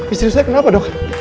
istri saya kenapa dok